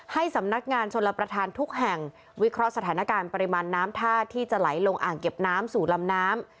ให้สำนักงานชนรับประทานทุกแห่งวิเคราะห์สถานการณ์ปริมาณน้ำท่าที่จะไหลลงอ่างเก็บน้ำสู่ลำน้ำ